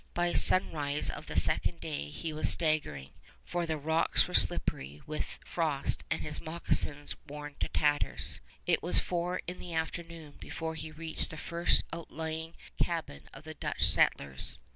By sunrise of the second day he was staggering; for the rocks were slippery with frost and his moccasins worn to tatters. It was four in the afternoon before he reached the first outlying cabin of the Dutch settlers.